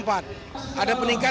pelabuhan tanjung priok